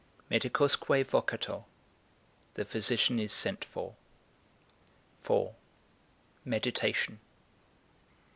MEDICUSQUE VOCATUR. The physician is sent for. IV. MEDITATION.